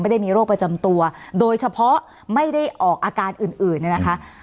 ไม่ได้มีโรคประจำตัวโดยเฉพาะไม่ได้ออกอาการอื่นนะคะ